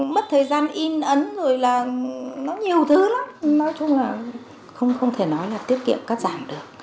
mất thời gian in ấn rồi là nó nhiều thứ lắm nói chung là không thể nói là tiết kiệm cắt giảm được